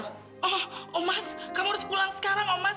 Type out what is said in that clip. oh mas kamu harus pulang sekarang om mas